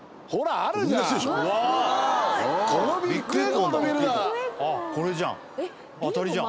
「あっこれじゃん。